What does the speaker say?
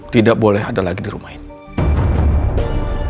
tidak boleh ada lagi di rumah ini